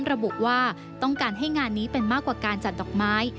ระบุว่าต้องการให้งานนี้เป็นมากกว่าการจัดดอกไม้